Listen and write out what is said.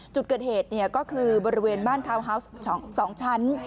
จุดเกิดเหตุก็คือบริเวณบ้านทาวน์ฮาวส์๒ชั้น